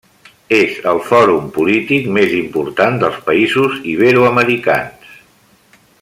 És el fòrum polític més important dels països iberoamericans.